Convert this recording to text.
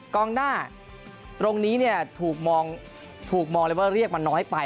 กองหน้าตรงนี้เนี่ยถูกมองถูกมองเลยว่าเรียกมาน้อยไปครับ